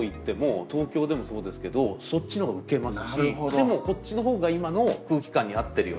でもこっちの方が今の空気感に合ってるよねっていう。